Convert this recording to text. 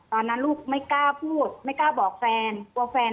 ตอนนั้นลูกไม่กล้าพูดไม่กล้าบอกแฟนกลัวแฟน